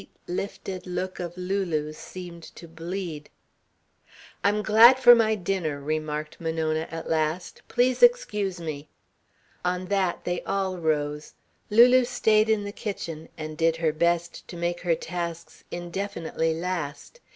Every time that he did this, that fleet, lifted look of Lulu's seemed to bleed. "I'm glad for my dinner," remarked Monona at last. "Please excuse me." On that they all rose. Lulu stayed in the kitchen and did her best to make her tasks indefinitely last.